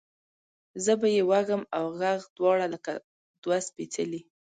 زه به یې وږم اوږغ دواړه لکه دوه سپیڅلي،